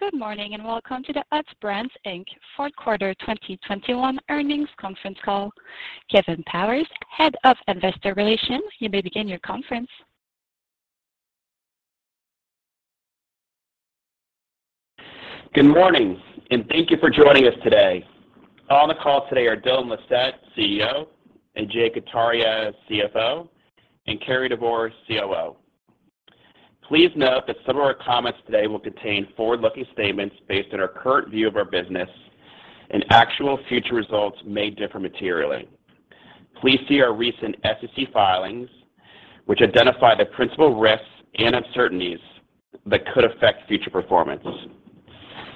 Good morning, and welcome to the Utz Brands, Inc. Q4 2021 earnings conference call. Kevin Powers, Head of Investor Relations, you may begin your conference. Good morning, and thank you for joining us today. On the call today are Dylan Lissette, CEO, and Ajay Kataria, CFO, and Cary Devore, COO. Please note that some of our comments today will contain forward-looking statements based on our current view of our business and actual future results may differ materially. Please see our recent SEC filings, which identify the principal risks and uncertainties that could affect future performance.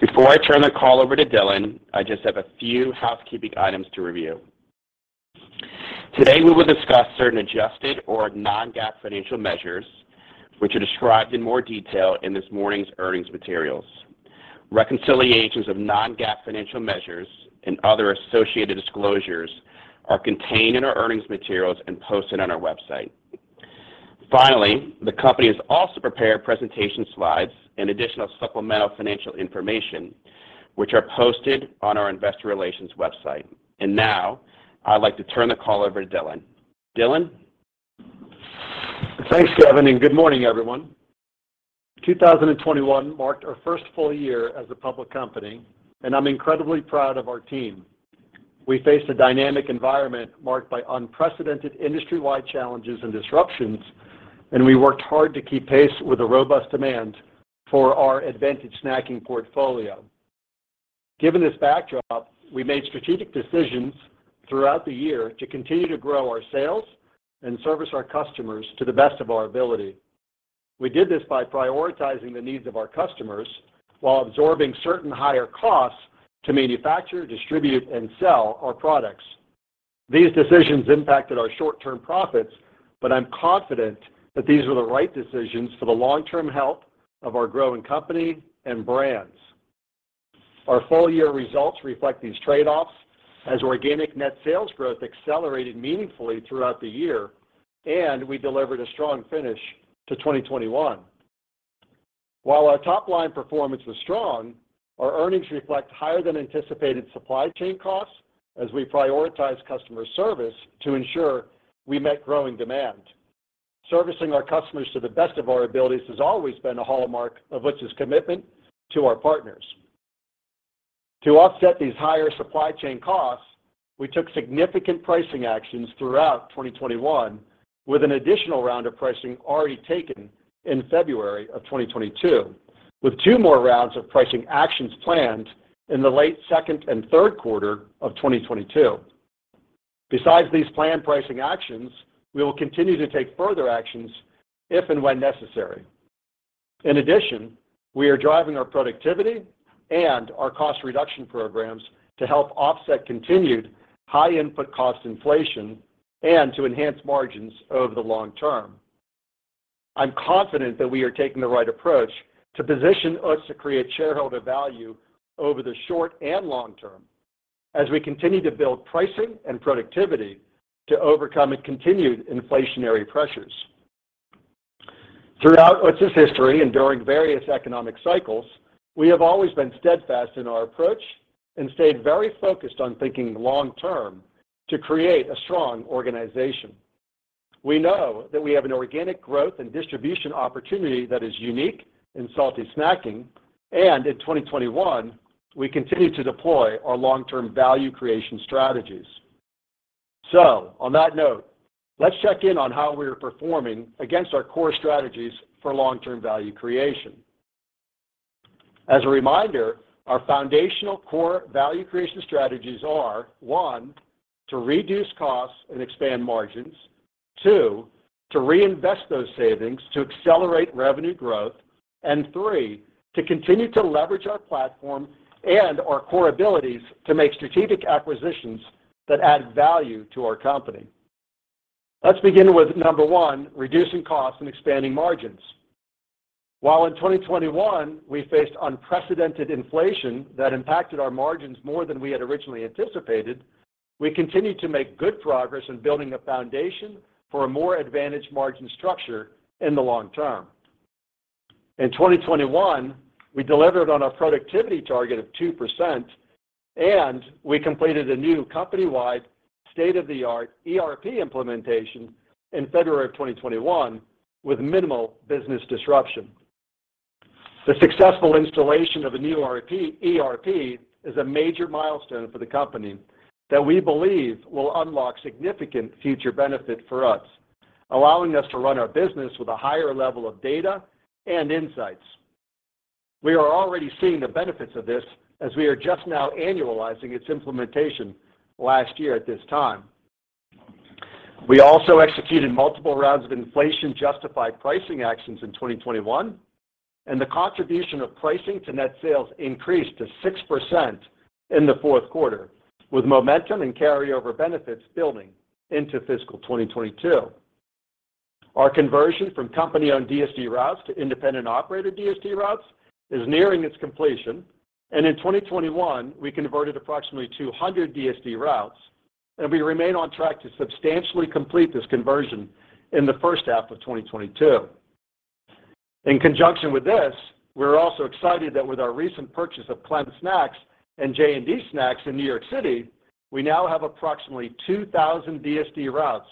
Before I turn the call over to Dylan, I just have a few housekeeping items to review. Today, we will discuss certain adjusted or non-GAAP financial measures which are described in more detail in this morning's earnings materials. Reconciliations of non-GAAP financial measures and other associated disclosures are contained in our earnings materials and posted on our website. Finally, the company has also prepared presentation slides and additional supplemental financial information, which are posted on our investor relations website. Now, I'd like to turn the call over to Dylan. Dylan. Thanks, Kevin, and good morning, everyone. 2021 marked our first full year as a public company, and I'm incredibly proud of our team. We faced a dynamic environment marked by unprecedented industry-wide challenges and disruptions, and we worked hard to keep pace with the robust demand for our advantage snacking portfolio. Given this backdrop, we made strategic decisions throughout the year to continue to grow our sales and service our customers to the best of our ability. We did this by prioritizing the needs of our customers while absorbing certain higher costs to manufacture, distribute, and sell our products. These decisions impacted our short-term profits, but I'm confident that these were the right decisions for the long-term health of our growing company and brands. Our full year results reflect these trade-offs as organic net sales growth accelerated meaningfully throughout the year, and we delivered a strong finish to 2021. While our top line performance was strong, our earnings reflect higher than anticipated supply chain costs as we prioritize customer service to ensure we met growing demand. Servicing our customers to the best of our abilities has always been a hallmark of Utz's commitment to our partners. To offset these higher supply chain costs, we took significant pricing actions throughout 2021, with an additional round of pricing already taken in February of 2022, with two more rounds of pricing actions planned in the late second and Q3 of 2022. Besides these planned pricing actions, we will continue to take further actions if and when necessary. In addition, we are driving our productivity and our cost reduction programs to help offset continued high input cost inflation and to enhance margins over the long term. I'm confident that we are taking the right approach to position us to create shareholder value over the short and long term as we continue to build pricing and productivity to overcome a continued inflationary pressures. Throughout Utz's history and during various economic cycles, we have always been steadfast in our approach and stayed very focused on thinking long term to create a strong organization. We know that we have an organic growth and distribution opportunity that is unique in salty snacking, and in 2021, we continued to deploy our long-term value creation strategies. On that note, let's check in on how we are performing against our core strategies for long-term value creation. As a reminder, our foundational core value creation strategies are, one, to reduce costs and expand margins. Two, to reinvest those savings to accelerate revenue growth. Three, to continue to leverage our platform and our core abilities to make strategic acquisitions that add value to our company. Let's begin with number one, reducing costs and expanding margins. While in 2021, we faced unprecedented inflation that impacted our margins more than we had originally anticipated, we continued to make good progress in building a foundation for a more advantaged margin structure in the long term. In 2021, we delivered on our productivity target of 2%, and we completed a new company-wide state-of-the-art ERP implementation in February 2021 with minimal business disruption. The successful installation of the new ERP is a major milestone for the company that we believe will unlock significant future benefit for us, allowing us to run our business with a higher level of data and insights. We are already seeing the benefits of this as we are just now annualizing its implementation last year at this time. We also executed multiple rounds of inflation-justified pricing actions in 2021, and the contribution of pricing to net sales increased to 6% in the Q4, with momentum and carryover benefits building into fiscal 2022. Our conversion from company-owned DSD routes to independent operator DSD routes is nearing its completion, and in 2021, we converted approximately 200 DSD routes. We remain on track to substantially complete this conversion in the H1 of 2022. In conjunction with this, we're also excited that with our recent purchase of Clem Snacks and J&D Snacks in New York City, we now have approximately 2,000 DSD routes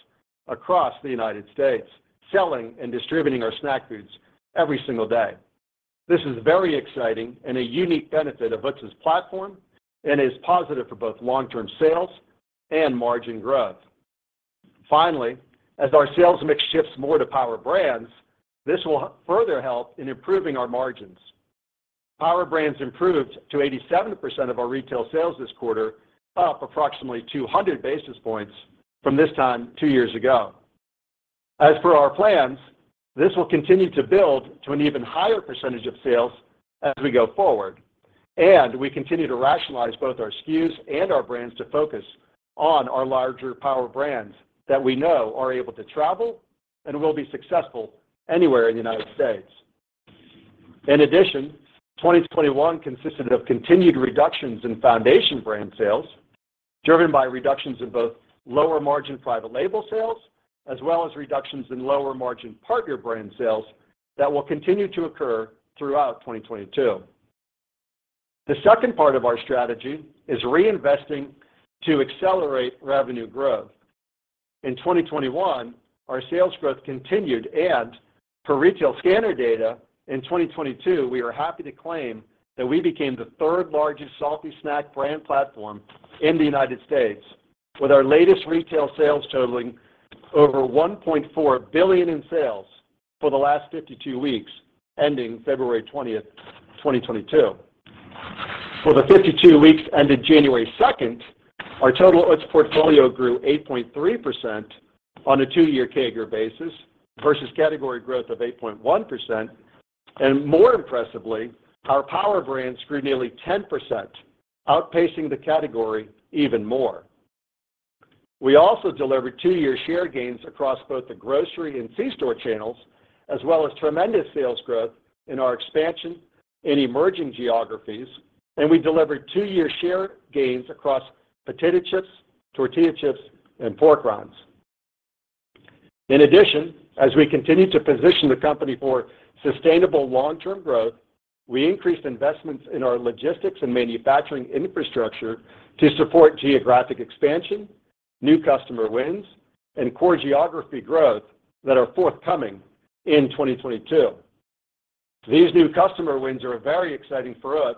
across the United States, selling and distributing our snack foods every single day. This is very exciting and a unique benefit of Utz's platform and is positive for both long-term sales and margin growth. Finally, as our sales mix shifts more to Power Brands, this will further help in improving our margins. Power Brands improved to 87% of our retail sales this quarter, up approximately 200 basis points from this time two years ago. As for our plans, this will continue to build to an even higher percentage of sales as we go forward, and we continue to rationalize both our SKUs and our brands to focus on our larger Power Brands that we know are able to travel and will be successful anywhere in the United States. In addition, 2021 consisted of continued reductions in Foundation Brands sales, driven by reductions in both lower margin private label sales, as well as reductions in lower margin Partner Brands sales that will continue to occur throughout 2022. The second part of our strategy is reinvesting to accelerate revenue growth. In 2021, our sales growth continued, and per retail scanner data, in 2022, we are happy to claim that we became the third-largest salty snack brand platform in the United States, with our latest retail sales totaling over $1.4 billion in sales for the last 52 weeks ending February 20, 2022. For the 52 weeks ended January 2, our total Utz portfolio grew 8.3% on a two-year CAGR basis versus category growth of 8.1%. More impressively, our Power Brands grew nearly 10%, outpacing the category even more. We also delivered two-year share gains across both the grocery and C-store channels, as well as tremendous sales growth in our expansion in emerging geographies, and we delivered two-year share gains across potato chips, tortilla chips, and pork rinds. In addition, as we continue to position the company for sustainable long-term growth, we increased investments in our logistics and manufacturing infrastructure to support geographic expansion, new customer wins, and core geography growth that are forthcoming in 2022. These new customer wins are very exciting for us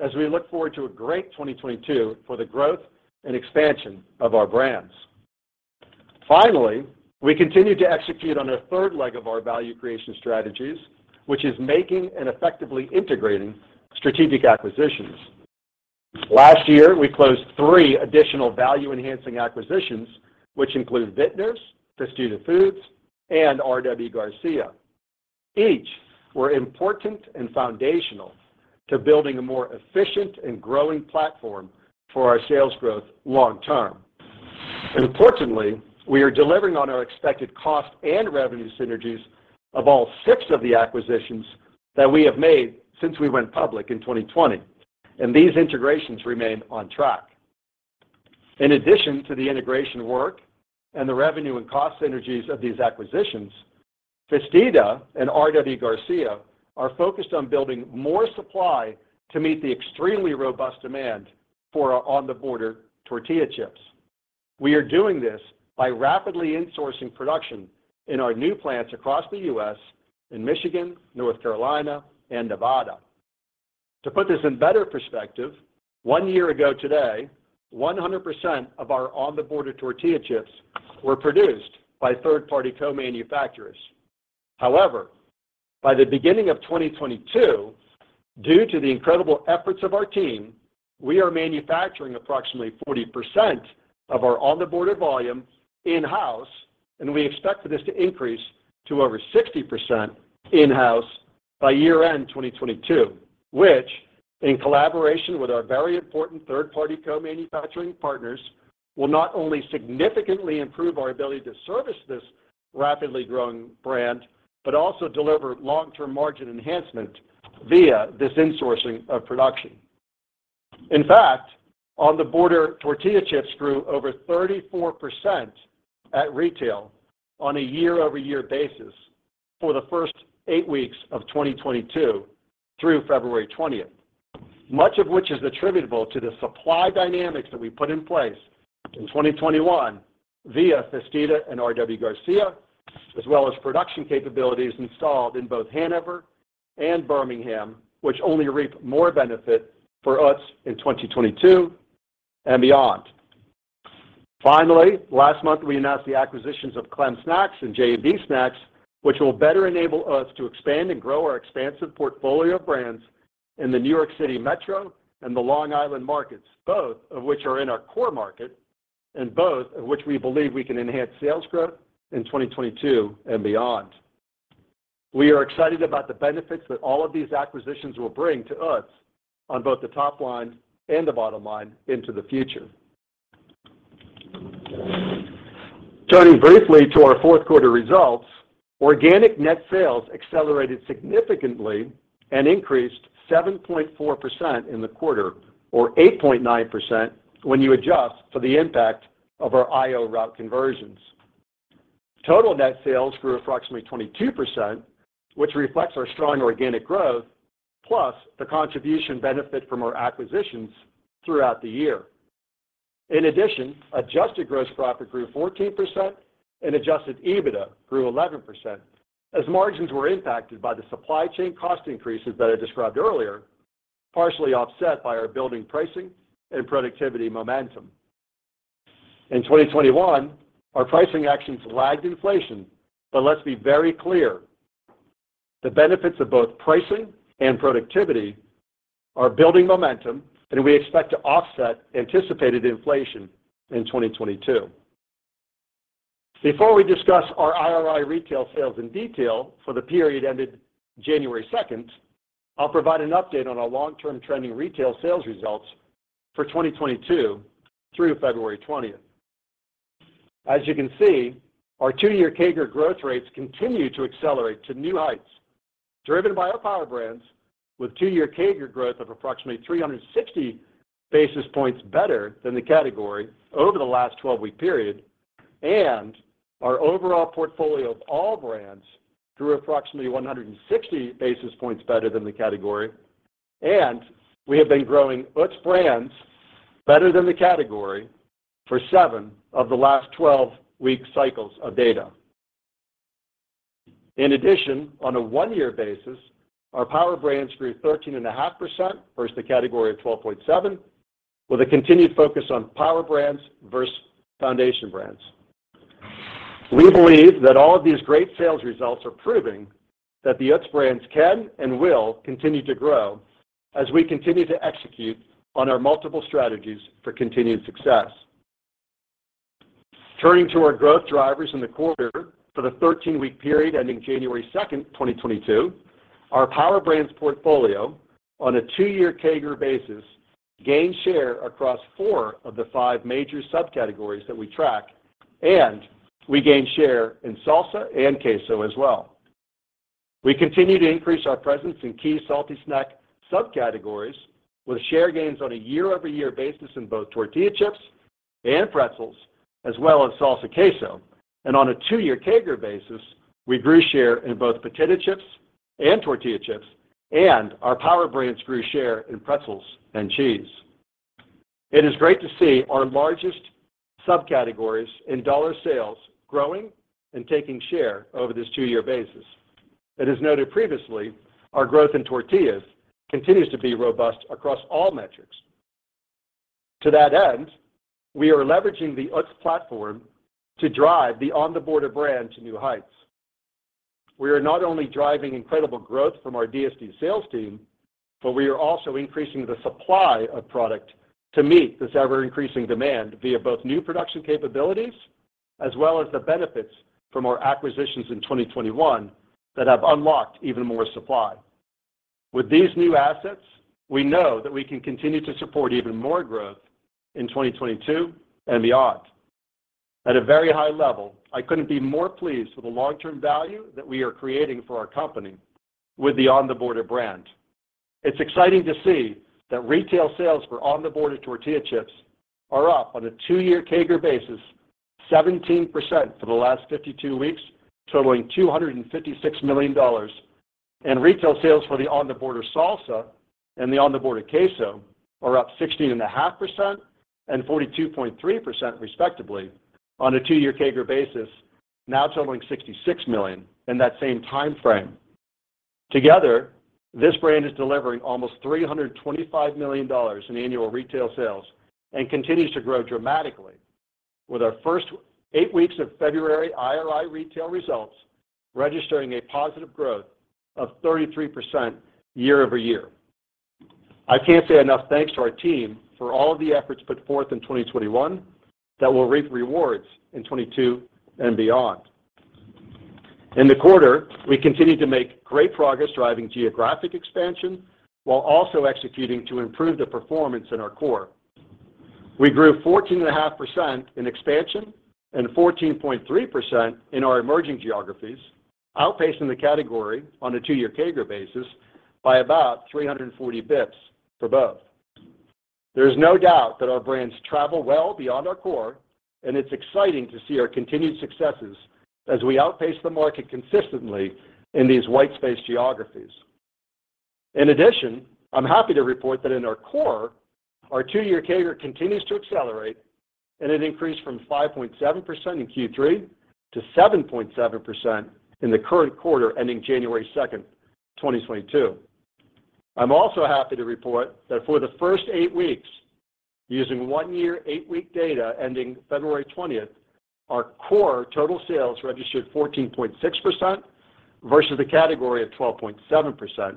as we look forward to a great 2022 for the growth and expansion of our brands. Finally, we continue to execute on a third leg of our value creation strategies, which is making and effectively integrating strategic acquisitions. Last year, we closed 3 additional value-enhancing acquisitions, which include Vitner's, Fiesta Foods, and RW Garcia. Each were important and foundational to building a more efficient and growing platform for our sales growth long term. Importantly, we are delivering on our expected cost and revenue synergies of all six of the acquisitions that we have made since we went public in 2020, and these integrations remain on track. In addition to the integration work and the revenue and cost synergies of these acquisitions, Fiesta and RW Garcia are focused on building more supply to meet the extremely robust demand for our On The Border tortilla chips. We are doing this by rapidly insourcing production in our new plants across the U.S. in Michigan, North Carolina, and Nevada. To put this in better perspective, one year ago today, 100% of our On The Border tortilla chips were produced by third-party co-manufacturers. However, by the beginning of 2022, due to the incredible efforts of our team, we are manufacturing approximately 40% of our On The Border volume in-house, and we expect for this to increase to over 60% in-house by year-end 2022, which in collaboration with our very important third-party co-manufacturing partners, will not only significantly improve our ability to service this rapidly growing brand, but also deliver long-term margin enhancement via this insourcing of production. In fact, On The Border tortilla chips grew over 34% at retail on a year-over-year basis for the first eight weeks of 2022 through February 20. Much of which is attributable to the supply dynamics that we put in place in 2021 via Fiesta and R.W. Garcia, as well as production capabilities installed in both Hanover and Birmingham, which only reap more benefit for us in 2022 and beyond. Finally, last month, we announced the acquisitions of Clem Snacks and J&D Snacks, which will better enable us to expand and grow our expansive portfolio of brands in the New York City Metro and the Long Island markets, both of which are in our core market, and both of which we believe we can enhance sales growth in 2022 and beyond. We are excited about the benefits that all of these acquisitions will bring to us on both the top line and the bottom line into the future. Turning briefly to our Q4 results, organic net sales accelerated significantly and increased 7.4% in the quarter or 8.9% when you adjust for the impact of our IO route conversions. Total net sales grew approximately 22%, which reflects our strong organic growth, plus the contribution benefit from our acquisitions throughout the year. In addition, Adjusted gross profit grew 14% and Adjusted EBITDA grew 11% as margins were impacted by the supply chain cost increases that I described earlier, partially offset by our building pricing and productivity momentum. In 2021, our pricing actions lagged inflation, but let's be very clear, the benefits of both pricing and productivity are building momentum that we expect to offset anticipated inflation in 2022. Before we discuss our IRI retail sales in detail for the period ended January 2, I'll provide an update on our long-term trending retail sales results for 2022 through February 20. As you can see, our two-year CAGR growth rates continue to accelerate to new heights, driven by our Power Brands with two-year CAGR growth of approximately 360 basis points better than the category over the last twelve-week period. Our overall portfolio of all brands grew approximately 160 basis points better than the category. We have been growing Utz Brands better than the category for seven of the last twelve-week cycles of data. In addition, on a one-year basis, our Power Brands grew 13.5% versus the category of 12.7% with a continued focus on Power Brands versus Foundation Brands. We believe that all of these great sales results are proving that the Utz Brands can and will continue to grow as we continue to execute on our multiple strategies for continued success. Turning to our growth drivers in the quarter for the 13-week period ending January 2, 2022, our Power Brands portfolio on a two-year CAGR basis gained share across 4 of the 5 major subcategories that we track, and we gained share in salsa and queso as well. We continue to increase our presence in key salty snack subcategories with share gains on a year-over-year basis in both tortilla chips and pretzels, as well as salsa, queso. On a two-year CAGR basis, we grew share in both potato chips and tortilla chips, and our Power Brands grew share in pretzels and cheese. It is great to see our largest subcategories in dollar sales growing and taking share over this two-year basis. As noted previously, our growth in tortillas continues to be robust across all metrics. To that end, we are leveraging the Utz platform to drive the On The Border brand to new heights. We are not only driving incredible growth from our DSD sales team, but we are also increasing the supply of product to meet this ever-increasing demand via both new production capabilities as well as the benefits from our acquisitions in 2021 that have unlocked even more supply. With these new assets, we know that we can continue to support even more growth in 2022 and beyond. At a very high level, I couldn't be more pleased with the long-term value that we are creating for our company with the On The Border brand. It's exciting to see that retail sales for On The Border tortilla chips are up on a two-year CAGR basis 17% for the last 52 weeks, totaling $256 million. Retail sales for the On The Border salsa and the On The Border queso are up 16.5% and 42.3% respectively on a two-year CAGR basis, now totaling $66 million in that same timeframe. Together, this brand is delivering almost $325 million in annual retail sales and continues to grow dramatically with our first 8 weeks of February IRI retail results registering a positive growth of 33% year-over-year. I can't say enough thanks to our team for all of the efforts put forth in 2021 that will reap rewards in 2022 and beyond. In the quarter, we continued to make great progress driving geographic expansion while also executing to improve the performance in our core. We grew 14.5% in expansion and 14.3% in our emerging geographies, outpacing the category on a two-year CAGR basis by about 340 basis points for both. There is no doubt that our brands travel well beyond our core, and it's exciting to see our continued successes as we outpace the market consistently in these white space geographies. In addition, I'm happy to report that in our core, our two-year CAGR continues to accelerate, and it increased from 5.7% in Q3 to 7.7% in the current quarter ending January 2, 2022. I'm also happy to report that for the first eight weeks, using one-year, eight-week data ending February twentieth, our core total sales registered 14.6% versus the category of 12.7%,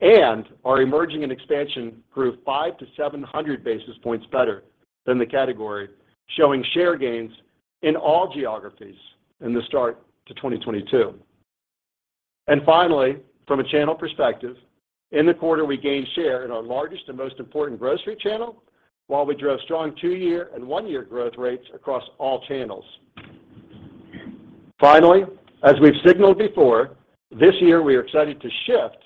and our emerging and expansion grew 500-700 basis points better than the category, showing share gains in all geographies in the start to 2022. Finally, from a channel perspective, in the quarter, we gained share in our largest and most important grocery channel while we drove strong two-year and one-year growth rates across all channels. Finally, as we've signaled before, this year we are excited to shift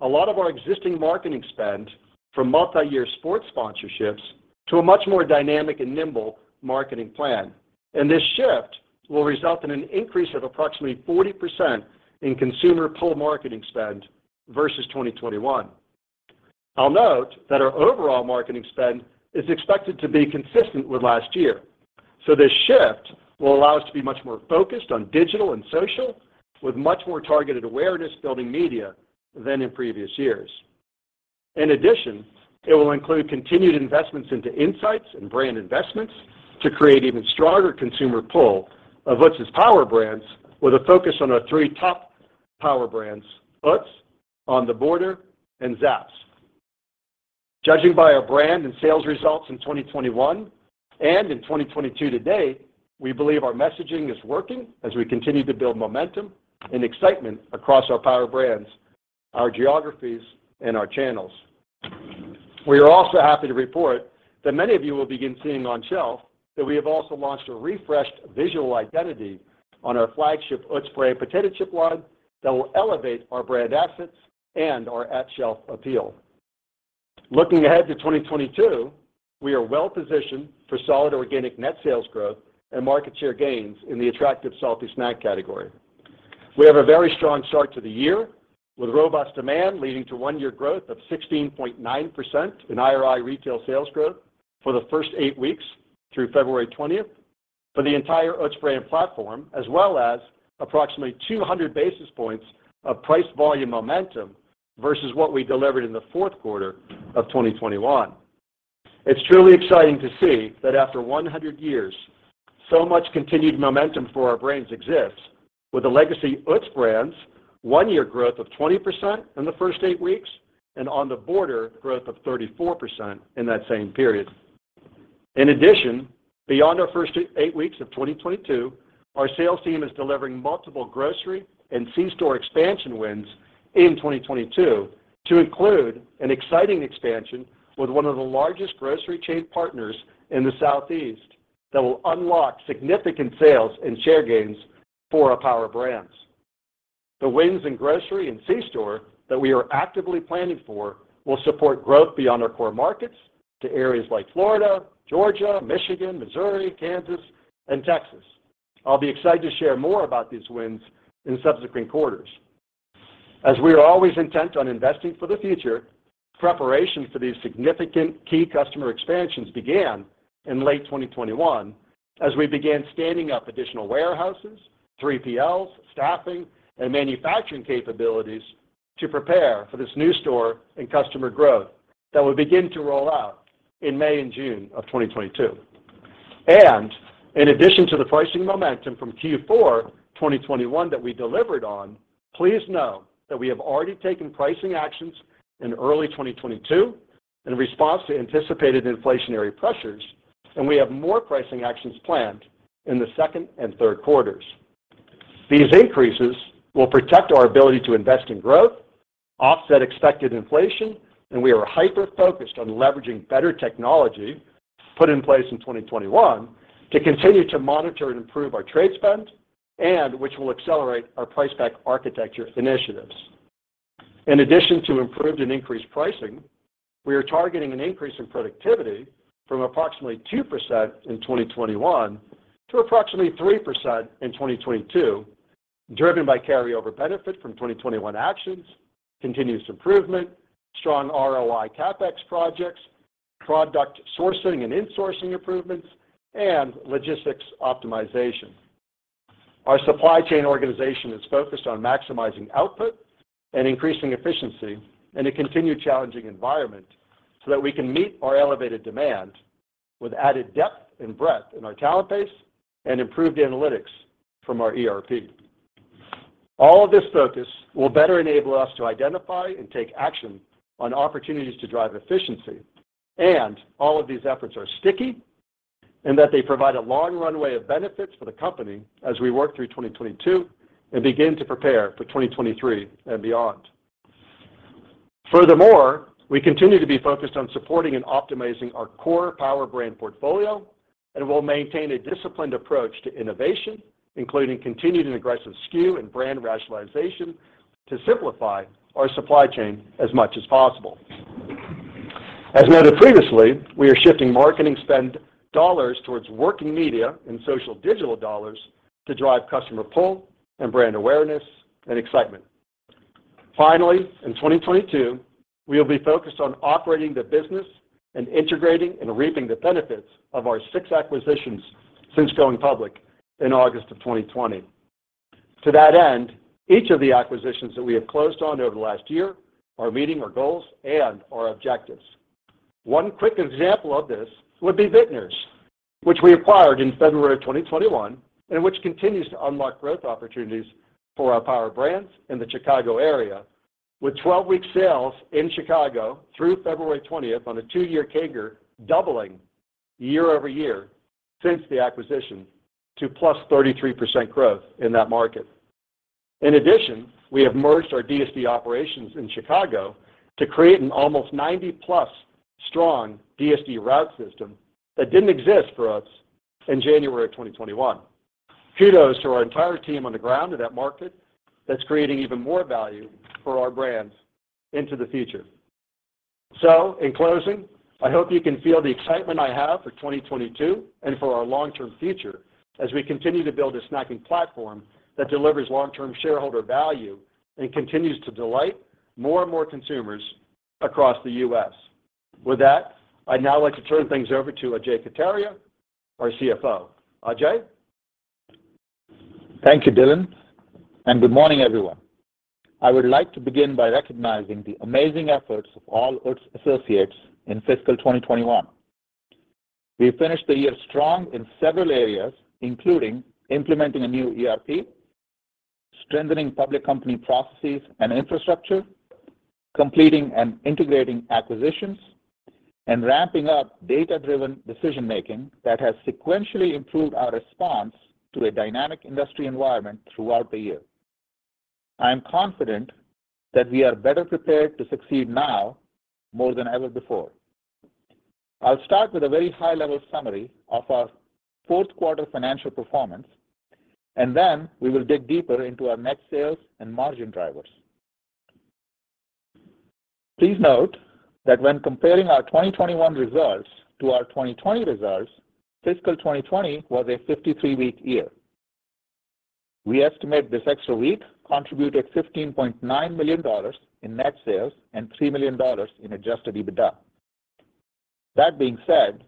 a lot of our existing marketing spend from multiyear sports sponsorships to a much more dynamic and nimble marketing plan. This shift will result in an increase of approximately 40% in consumer pull marketing spend versus 2021. I'll note that our overall marketing spend is expected to be consistent with last year. This shift will allow us to be much more focused on digital and social with much more targeted awareness building media than in previous years. In addition, it will include continued investments into insights and brand investments to create even stronger consumer pull of Utz's Power Brands with a focus on our three top Power Brands, Utz, On The Border, and Zapp's. Judging by our brand and sales results in 2021 and in 2022 to date, we believe our messaging is working as we continue to build momentum and excitement across our Power Brands, our geographies, and our channels. We are also happy to report that many of you will begin seeing on-shelf that we have also launched a refreshed visual identity on our flagship Utz brand potato chip line that will elevate our brand assets and our at-shelf appeal. Looking ahead to 2022, we are well positioned for solid organic net sales growth and market share gains in the attractive salty snack category. We have a very strong start to the year with robust demand leading to one-year growth of 16.9% in IRI retail sales growth for the first eight weeks through February 20 for the entire Utz brand platform, as well as approximately 200 basis points of price-volume momentum versus what we delivered in the Q4 of 2021. It's truly exciting to see that after 100 years, so much continued momentum for our brands exists with the legacy Utz brands one-year growth of 20% in the first 8 weeks and On The Border growth of 34% in that same period. In addition, beyond our first 8 weeks of 2022, our sales team is delivering multiple grocery and C-store expansion wins in 2022 to include an exciting expansion with one of the largest grocery chain partners in the Southeast that will unlock significant sales and share gains for our Power Brands. The wins in grocery and C-store that we are actively planning for will support growth beyond our core markets to areas like Florida, Georgia, Michigan, Missouri, Kansas, and Texas. I'll be excited to share more about these wins in subsequent quarters. As we are always intent on investing for the future, preparation for these significant key customer expansions began in late 2021 as we began standing up additional warehouses, 3PLs, staffing, and manufacturing capabilities to prepare for this new store and customer growth that will begin to roll out in May and June of 2022. In addition to the pricing momentum from Q4 2021 that we delivered on, please know that we have already taken pricing actions in early 2022 in response to anticipated inflationary pressures, and we have more pricing actions planned in the second and Q3. These increases will protect our ability to invest in growth, offset expected inflation, and we are hyper-focused on leveraging better technology put in place in 2021 to continue to monitor and improve our trade spend, and which will accelerate our price pack architecture initiatives. In addition to improved and increased pricing, we are targeting an increase in productivity from approximately 2% in 2021 to approximately 3% in 2022, driven by carryover benefit from 2021 actions, continuous improvement, strong ROI CapEx projects, product sourcing and insourcing improvements, and logistics optimization. Our supply chain organization is focused on maximizing output and increasing efficiency in a continued challenging environment so that we can meet our elevated demand with added depth and breadth in our talent base and improved analytics from our ERP. All of this focus will better enable us to identify and take action on opportunities to drive efficiency, and all of these efforts are sticky in that they provide a long runway of benefits for the company as we work through 2022 and begin to prepare for 2023 and beyond. Furthermore, we continue to be focused on supporting and optimizing our core power brand portfolio and will maintain a disciplined approach to innovation, including continuing aggressive SKU and brand rationalization to simplify our supply chain as much as possible. As noted previously, we are shifting marketing spend dollars towards working media and social digital dollars to drive customer pull and brand awareness and excitement. Finally, in 2022, we will be focused on operating the business and integrating and reaping the benefits of our six acquisitions since going public in August of 2020. To that end, each of the acquisitions that we have closed on over the last year are meeting our goals and our objectives. One quick example of this would be Vitner's, which we acquired in February 2021, and which continues to unlock growth opportunities for our Power Brands in the Chicago area with 12-week sales in Chicago through February 20 on a two-year CAGR doubling year-over-year since the acquisition to +33% growth in that market. In addition, we have merged our DSD operations in Chicago to create an almost 90+ strong DSD route system that didn't exist for us in January 2021. Kudos to our entire team on the ground in that market that's creating even more value for our brands into the future. In closing, I hope you can feel the excitement I have for 2022 and for our long-term future as we continue to build a snacking platform that delivers long-term shareholder value and continues to delight more and more consumers across the U.S. With that, I'd now like to turn things over to Ajay Kataria, our CFO. Ajay. Thank you, Dylan, and good morning, everyone. I would like to begin by recognizing the amazing efforts of all Utz associates in fiscal 2021. We finished the year strong in several areas, including implementing a new ERP, strengthening public company processes and infrastructure, completing and integrating acquisitions, and ramping up data-driven decision-making that has sequentially improved our response to a dynamic industry environment throughout the year. I am confident that we are better prepared to succeed now more than ever before. I'll start with a very high-level summary of our Q4 financial performance, and then we will dig deeper into our net sales and margin drivers. Please note that when comparing our 2021 results to our 2020 results, fiscal 2020 was a 53-week year. We estimate this extra week contributed $15.9 million in net sales and $3 million in adjusted EBITDA. That being said,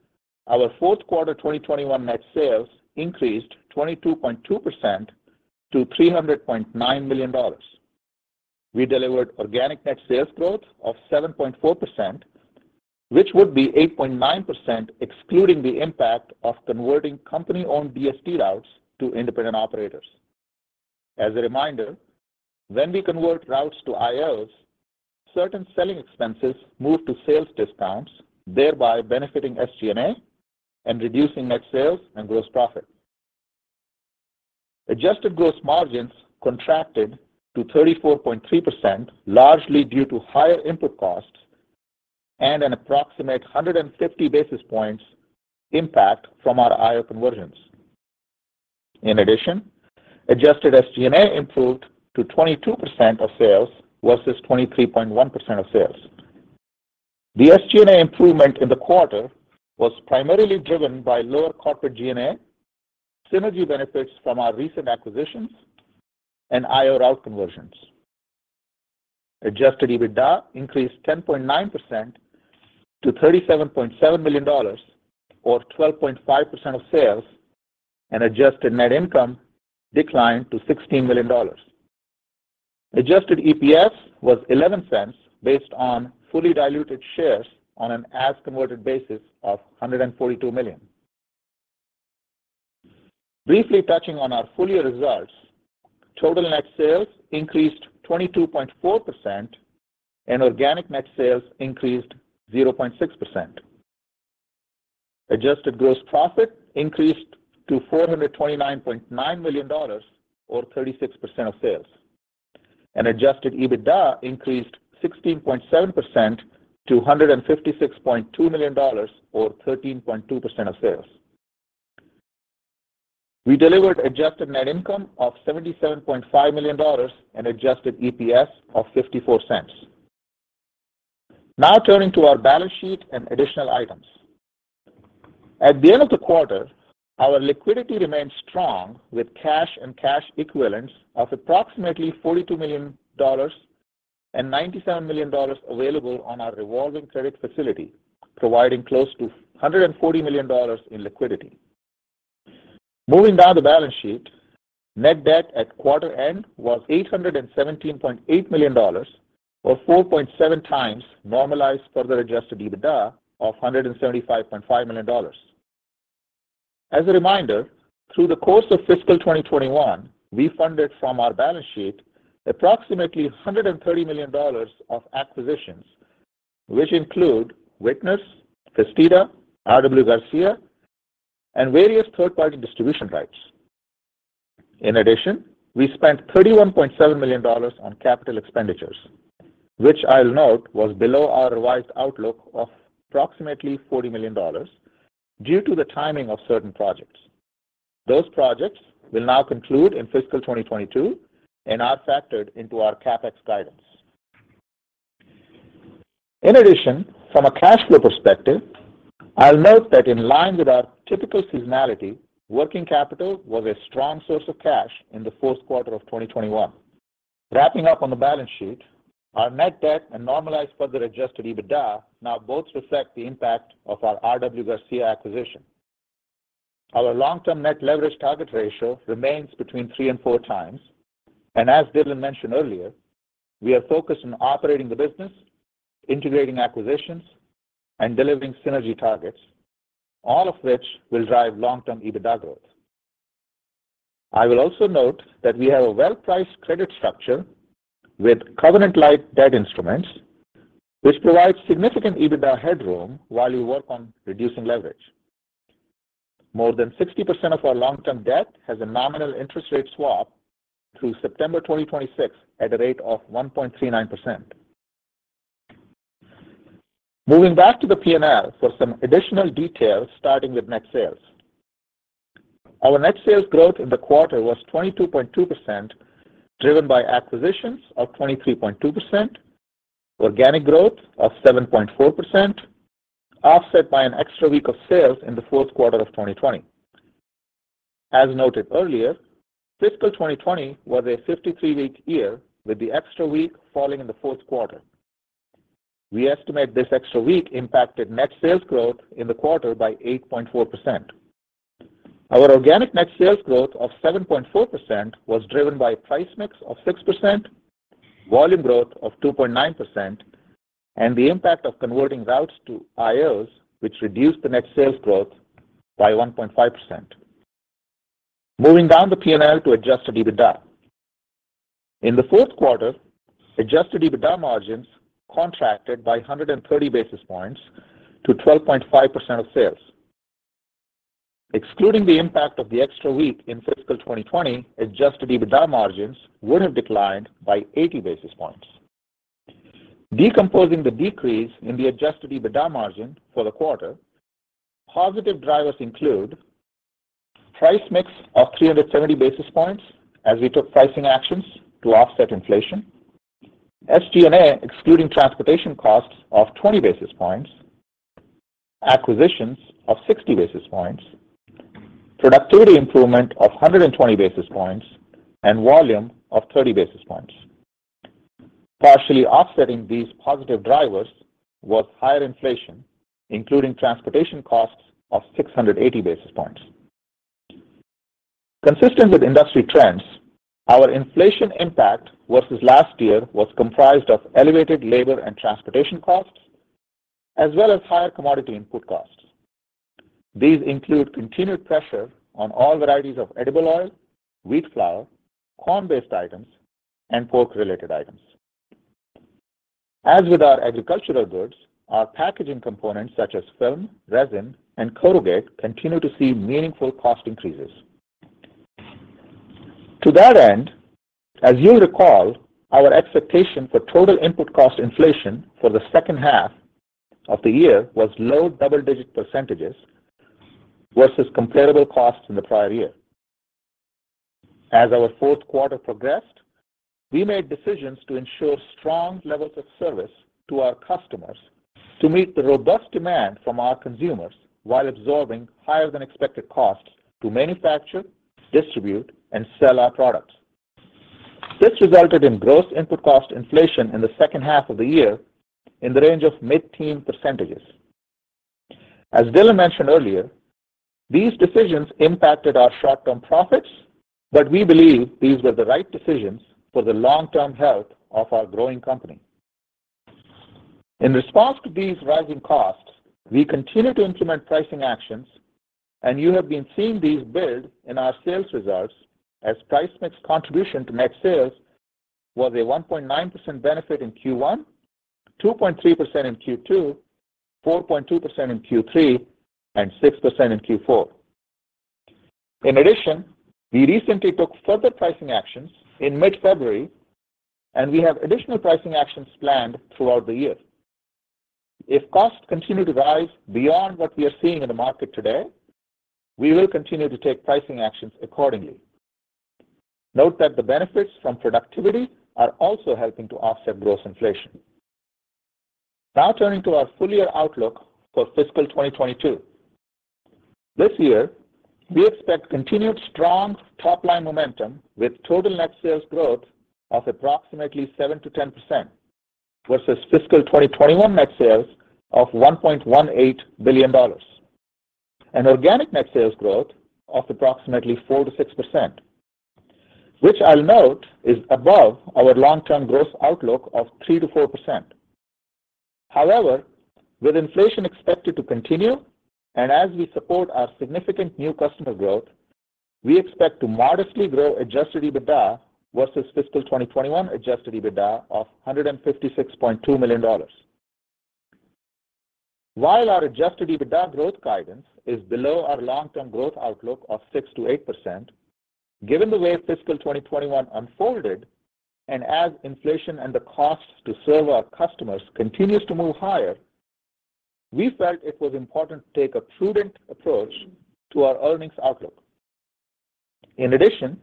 our Q4 2021 net sales increased 22.2% to $300.9 million. We delivered organic net sales growth of 7.4%, which would be 8.9%, excluding the impact of converting company-owned DSD routes to independent operators. As a reminder, when we convert routes to IOs, certain selling expenses move to sales discounts, thereby benefiting SG&A and reducing net sales and gross profit. Adjusted gross margins contracted to 34.3%, largely due to higher input costs and an approximate 150 basis points impact from our IO conversions. In addition, adjusted SG&A improved to 22% of sales versus 23.1% of sales. The SG&A improvement in the quarter was primarily driven by lower corporate G&A, synergy benefits from our recent acquisitions, and IO route conversions. Adjusted EBITDA increased 10.9% to $37.7 million, or 12.5% of sales, and adjusted net income declined to $16 million. Adjusted EPS was $0.11 based on fully diluted shares on an as converted basis of 142 million. Briefly touching on our full year results, total net sales increased 22.4% and organic net sales increased 0.6%. Adjusted gross profit increased to $429.9 million or 36% of sales. Adjusted EBITDA increased 16.7% to $156.2 million or 13.2% of sales. We delivered adjusted net income of $77.5 million and adjusted EPS of $0.54. Now turning to our balance sheet and additional items. At the end of the quarter, our liquidity remains strong with cash and cash equivalents of approximately $42 million and $97 million available on our revolving credit facility, providing close to $140 million in liquidity. Moving down the balance sheet, net debt at quarter end was $817.8 million or 4.7 times normalized further Adjusted EBITDA of $175.5 million. As a reminder, through the course of fiscal 2021, we funded from our balance sheet approximately $130 million of acquisitions, which include Vitner's, Fiesta, RW Garcia, and various third-party distribution rights. In addition, we spent $31.7 million on capital expenditures, which I'll note was below our revised outlook of approximately $40 million due to the timing of certain projects. Those projects will now conclude in fiscal 2022 and are factored into our CapEx guidance. In addition, from a cash flow perspective, I'll note that in line with our typical seasonality, working capital was a strong source of cash in the Q4 of 2021. Wrapping up on the balance sheet, our net debt and normalized further adjusted EBITDA now both reflect the impact of our RW Garcia acquisition. Our long-term net leverage target ratio remains between 3x and 4x. As Dylan mentioned earlier, we are focused on operating the business, integrating acquisitions, and delivering synergy targets, all of which will drive long-term EBITDA growth. I will also note that we have a well-priced credit structure with covenant light debt instruments, which provides significant EBITDA headroom while we work on reducing leverage. More than 60% of our long-term debt has a nominal interest rate swap through September 2026 at a rate of 1.39%. Moving back to the P&L for some additional details, starting with net sales. Our net sales growth in the quarter was 22.2%, driven by acquisitions of 23.2%, organic growth of 7.4%, offset by an extra week of sales in the Q4 of 2020. As noted earlier, fiscal 2020 was a 53-week year, with the extra week falling in the Q4. We estimate this extra week impacted net sales growth in the quarter by 8.4%. Our organic net sales growth of 7.4% was driven by price mix of 6%, volume growth of 2.9%, and the impact of converting routes to IOs, which reduced the net sales growth by 1.5%. Moving down the P&L to adjusted EBITDA. In the Q4, adjusted EBITDA margins contracted by 130 basis points to 12.5% of sales. Excluding the impact of the extra week in fiscal 2020, adjusted EBITDA margins would have declined by 80 basis points. Decomposing the decrease in the Adjusted EBITDA margin for the quarter, positive drivers include price mix of 370 basis points as we took pricing actions to offset inflation, SG&A excluding transportation costs of 20 basis points, acquisitions of 60 basis points, productivity improvement of 120 basis points, and volume of 30 basis points. Partially offsetting these positive drivers was higher inflation, including transportation costs of 680 basis points. Consistent with industry trends, our inflation impact versus last year was comprised of elevated labor and transportation costs, as well as higher commodity input costs. These include continued pressure on all varieties of edible oil, wheat flour, corn-based items, and pork-related items. As with our agricultural goods, our packaging components such as film, resin, and corrugate continue to see meaningful cost increases. To that end, as you recall, our expectation for total input cost inflation for the H2 of the year was low double-digit % versus comparable costs in the prior year. As our Q4 progressed, we made decisions to ensure strong levels of service to our customers to meet the robust demand from our consumers while absorbing higher than expected costs to manufacture, distribute, and sell our products. This resulted in gross input cost inflation in the H2 of the year in the range of mid-teen %. As Dylan mentioned earlier, these decisions impacted our short-term profits, but we believe these were the right decisions for the long-term health of our growing company. In response to these rising costs, we continue to implement pricing actions, and you have been seeing these build in our sales results as price mix contribution to net sales was a 1.9% benefit in Q1, 2.3% in Q2, 4.2% in Q3, and 6% in Q4. In addition, we recently took further pricing actions in mid-February, and we have additional pricing actions planned throughout the year. If costs continue to rise beyond what we are seeing in the market today, we will continue to take pricing actions accordingly. Note that the benefits from productivity are also helping to offset gross inflation. Now turning to our full year outlook for fiscal 2022. This year, we expect continued strong top-line momentum with total net sales growth of approximately 7%-10% versus fiscal 2021 net sales of $1.18 billion. Organic net sales growth of approximately 4%-6%, which I'll note is above our long-term growth outlook of 3%-4%. However, with inflation expected to continue and as we support our significant new customer growth, we expect to modestly grow Adjusted EBITDA versus fiscal 2021 Adjusted EBITDA of $156.2 million. While our Adjusted EBITDA growth guidance is below our long-term growth outlook of 6%-8%, given the way fiscal 2021 unfolded and as inflation and the cost to serve our customers continues to move higher, we felt it was important to take a prudent approach to our earnings outlook. In addition,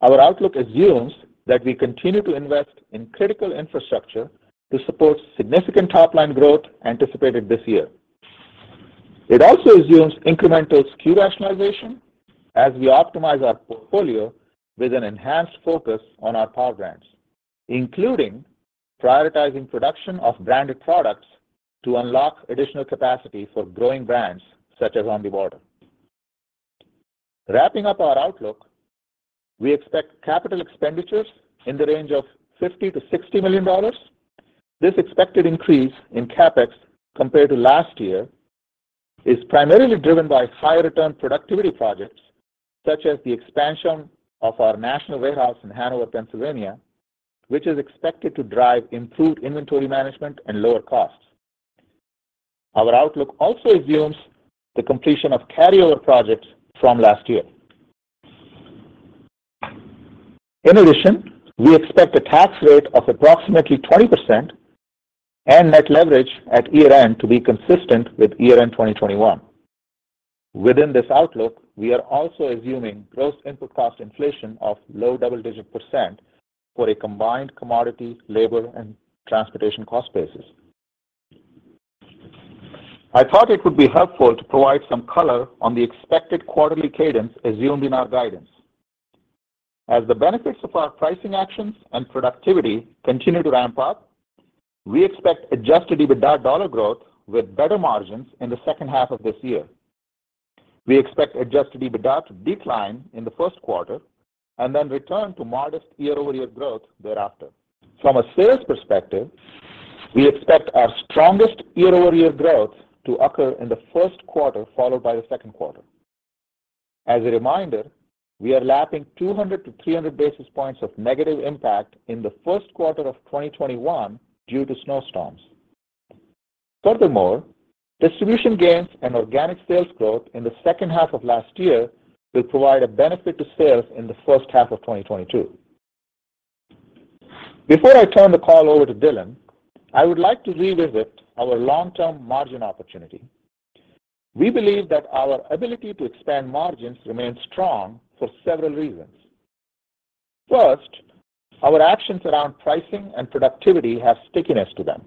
our outlook assumes that we continue to invest in critical infrastructure to support significant top-line growth anticipated this year. It also assumes incremental SKU rationalization as we optimize our portfolio with an enhanced focus on our Power Brands, including prioritizing production of branded products to unlock additional capacity for growing brands such as On The Border. Wrapping up our outlook, we expect capital expenditures in the range of $50 million-$60 million. This expected increase in CapEx compared to last year is primarily driven by high return productivity projects, such as the expansion of our national warehouse in Hanover, Pennsylvania, which is expected to drive improved inventory management and lower costs. Our outlook also assumes the completion of carryover projects from last year. In addition, we expect a tax rate of approximately 20% and net leverage at year-end to be consistent with year-end 2021. Within this outlook, we are also assuming gross input cost inflation of low double-digit % for a combined commodity, labor, and transportation cost basis. I thought it would be helpful to provide some color on the expected quarterly cadence assumed in our guidance. As the benefits of our pricing actions and productivity continue to ramp up, we expect Adjusted EBITDA dollar growth with better margins in the H2 of this year. We expect Adjusted EBITDA to decline in the Q1 and then return to modest year-over-year growth thereafter. From a sales perspective, we expect our strongest year-over-year growth to occur in the Q1, followed by the Q2. As a reminder, we are lapping 200-300 basis points of negative impact in the Q1 of 2021 due to snowstorms. Furthermore, distribution gains and organic sales growth in the H2 of last year will provide a benefit to sales in the H1 of 2022. Before I turn the call over to Dylan, I would like to revisit our long-term margin opportunity. We believe that our ability to expand margins remains strong for several reasons. First, our actions around pricing and productivity have stickiness to them.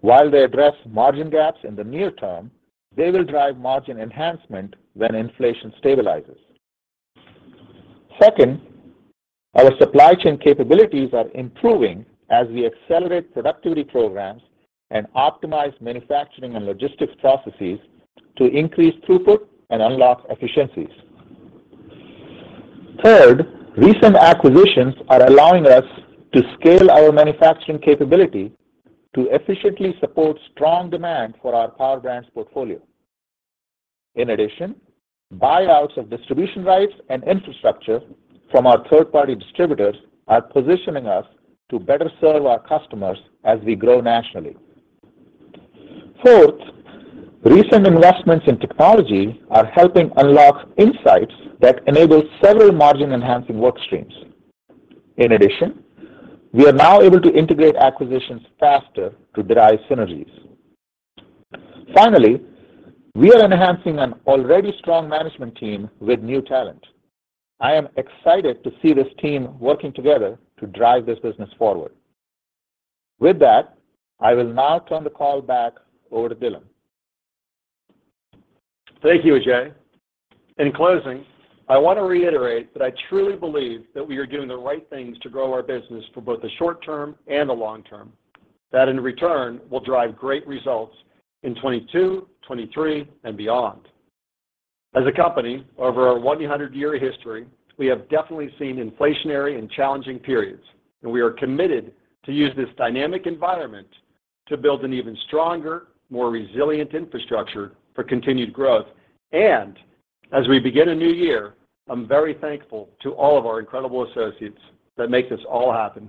While they address margin gaps in the near term, they will drive margin enhancement when inflation stabilizes. Second, our supply chain capabilities are improving as we accelerate productivity programs and optimize manufacturing and logistics processes to increase throughput and unlock efficiencies. Third, recent acquisitions are allowing us to scale our manufacturing capability to efficiently support strong demand for our Power Brands portfolio. In addition, buyouts of distribution rights and infrastructure from our third-party distributors are positioning us to better serve our customers as we grow nationally. Fourth, recent investments in technology are helping unlock insights that enable several margin-enhancing work streams. In addition, we are now able to integrate acquisitions faster to derive synergies. Finally, we are enhancing an already strong management team with new talent. I am excited to see this team working together to drive this business forward. With that, I will now turn the call back over to Dylan. Thank you, Ajay. In closing, I want to reiterate that I truly believe that we are doing the right things to grow our business for both the short term and the long term, that in return will drive great results in 2022, 2023 and beyond. As a company, over our 100-year history, we have definitely seen inflationary and challenging periods, and we are committed to use this dynamic environment to build an even stronger, more resilient infrastructure for continued growth. As we begin a new year, I'm very thankful to all of our incredible associates that make this all happen.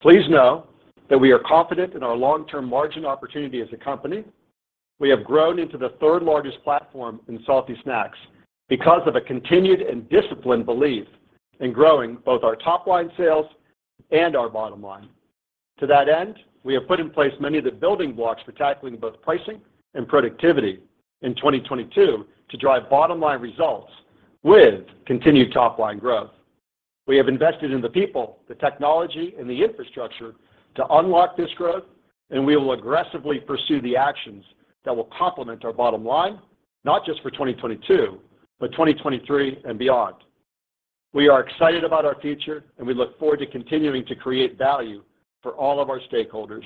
Please know that we are confident in our long-term margin opportunity as a company. We have grown into the third largest platform in salty snacks because of a continued and disciplined belief in growing both our top line sales and our bottom line. To that end, we have put in place many of the building blocks for tackling both pricing and productivity in 2022 to drive bottom-line results with continued top line growth. We have invested in the people, the technology, and the infrastructure to unlock this growth, and we will aggressively pursue the actions that will complement our bottom line, not just for 2022, but 2023 and beyond. We are excited about our future, and we look forward to continuing to create value for all of our stakeholders.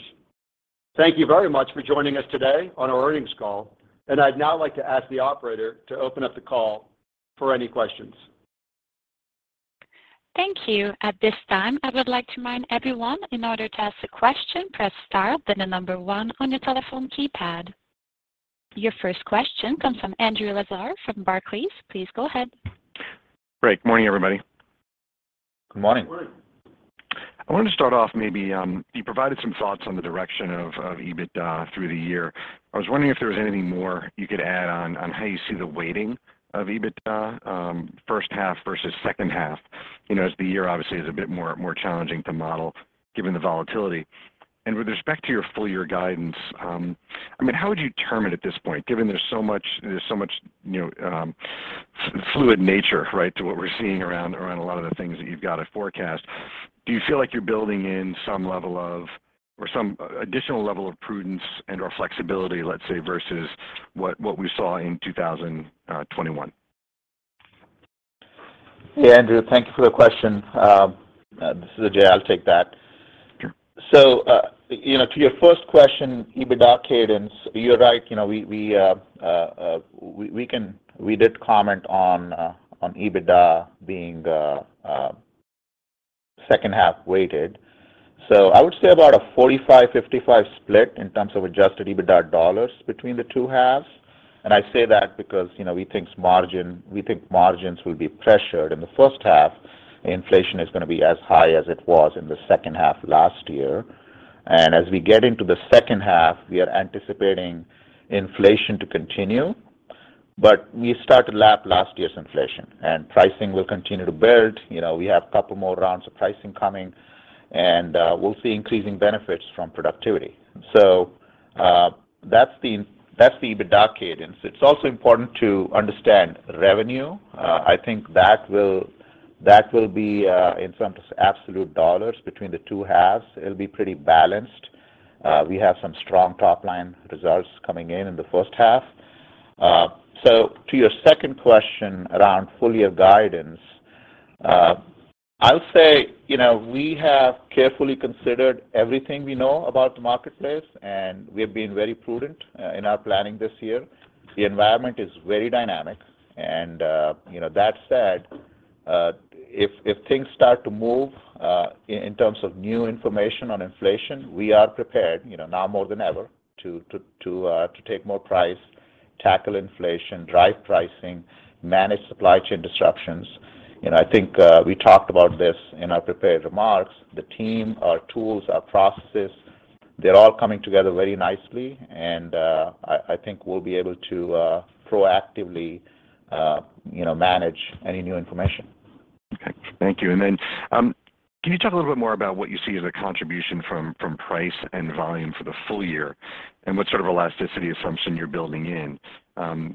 Thank you very much for joining us today on our earnings call. I'd now like to ask the operator to open up the call for any questions. Thank you. At this time, I would like to remind everyone in order to ask a question, press star, then the number one on your telephone keypad. Your first question comes from Andrew Lazar from Barclays. Please go ahead. Good morning, everybody. Good morning. Good morning. I wanted to start off maybe you provided some thoughts on the direction of EBITDA through the year. I was wondering if there was anything more you could add on how you see the weighting of EBITDA H1 versus H2 as the year obviously is a bit more challenging to model given the volatility. With respect to your full year guidance, I mean, how would you term it at this point, given there's so much fluid nature, right, to what we're seeing around a lot of the things that you've got to forecast. Do you feel like you're building in some level of or some additional level of prudence and/or flexibility, let's say, versus what we saw in 2021? Yeah, Andrew, thank you for the question. This is Ajay. I'll take that. Sure. To your first question, EBITDA cadence, you're right. we did comment on EBITDA being H2 weighted. I would say about a 45-55 split in terms of Adjusted EBITDA dollars between the two halves. I say that because we think margins will be pressured in the H1. Inflation is gonna be as high as it was in the H2 last year. As we get into the H2, we are anticipating inflation to continue. We start lapping last year's inflation, and pricing will continue to build. We have a couple more rounds of pricing coming, and we'll see increasing benefits from productivity. That's the EBITDA cadence. It's also important to understand revenue. I think that will be in terms of absolute dollars between the two halves. It'll be pretty balanced. We have some strong top-line results coming in in the H1. To your second question around full-year guidance, I'll say we have carefully considered everything we know about the marketplace, and we have been very prudent in our planning this year. The environment is very dynamic and that said, if things start to move in terms of new information on inflation, we are prepared now more than ever to take more price, tackle inflation, drive pricing, manage supply chain disruptions. I think we talked about this in our prepared remarks. The team, our tools, our processes, they're all coming together very nicely and I think we'll be able to proactively manage any new information. Okay. Thank you. Can you talk a little bit more about what you see as a contribution from price and volume for the full year, and what sort of elasticity assumption you're building in?